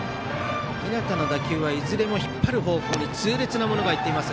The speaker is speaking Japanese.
日當の打球はいずれも引っ張る方向に痛烈なものが行っています